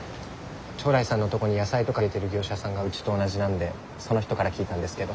朝來さんのとこに野菜とか入れてる業者さんがうちと同じなんでその人から聞いたんですけど。